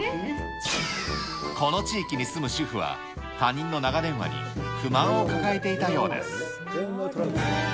この地域に住む主婦は、他人の長電話に不満を抱えていたようです。